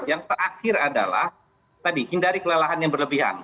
yang terakhir adalah tadi hindari kelelahan yang berlebihan